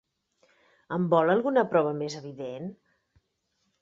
En vol alguna prova més evident?